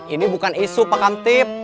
ini bukan isu pak kamtip